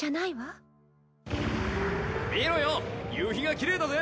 見ろよ夕日が奇麗だぜ